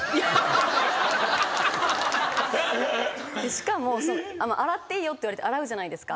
しかも「洗っていいよ」って言われて洗うじゃないですか。